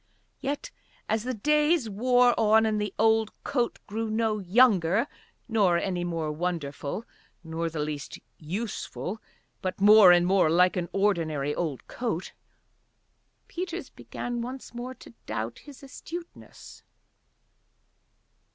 Yet as the days wore on and the old coat grew no younger, nor any more wonderful, nor the least useful, but more and more like an ordinary old coat, Peters began once more to doubt his astuteness.